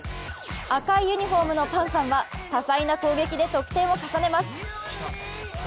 赤いユニフォームのパンサンは多彩な攻撃で得点を重ねます。